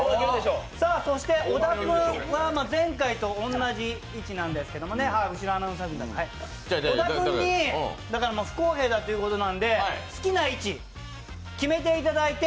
そして小田君は前回と同じ位置なんですけど小田君に不公平だということなんで好きな位置を決めていただいて